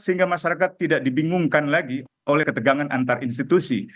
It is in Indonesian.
sehingga masyarakat tidak dibingungkan lagi oleh ketegangan antar institusi